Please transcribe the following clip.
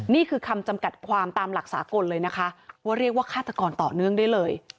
นี่คือคำจำกัดความตามหลักสากลเลยนะคะว่าเรียกว่าฆาตกรต่อเนื่องได้เลย